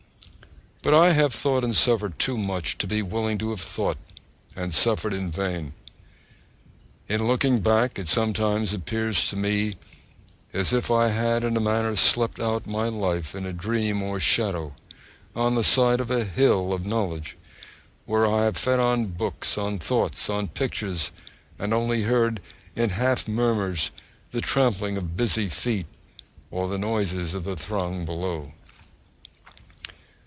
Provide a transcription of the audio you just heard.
But I have thought and suffered too much to be willing to have thought and suffered in vain. In looking back, it sometimes appears to me as if I had in a manner slept out my life in a dream or shadow on the side of the hill of knowledge, where I have fed on books, on thoughts, on pictures, and only heard in half murmurs the trampling of busy feet, or the noises of the throng below.